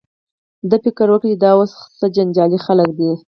دې فکر وکړ چې دا اوس څه جنجالي خلک دي.